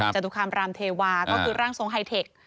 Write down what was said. จตุคามรามเทวาก็คือร่างทรงไฮเทค